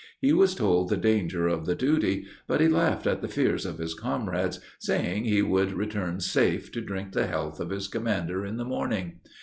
He was told the danger of the duty; but he laughed at the fears of his comrades, saying he would return safe, to drink the health of his commander in the morning.